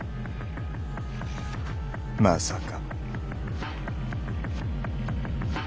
まさか。